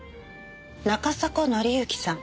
中迫教之さん。